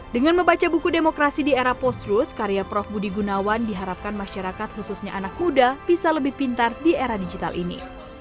dengan membaca buku demokrasi di era post truth karya prof budi gunawan diharapkan masyarakat khususnya anak muda bisa lebih pintar di era digital ini